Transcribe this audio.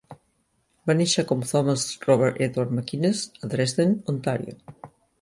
Va néixer com Thomas Robert Edward McInnes a Dresden, Ontario.